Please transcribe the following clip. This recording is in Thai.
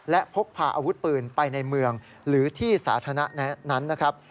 และพกพาอาวุธปืนไปในเมืองหรือที่สาธารณะนั้นนะครับ